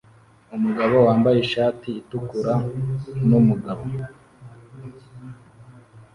Umugabo wambaye ishati itukura numugabo